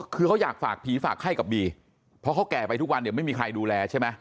คือเขาอยากฝากผีฝากไข้กับบีเพราะเขาแก่ไปทุกวันเนี่ยไม่มีใครดูแลใช่ไหม